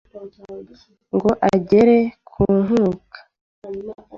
Ngo agere ku Nkuka